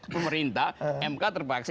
pemerintah mk terpaksa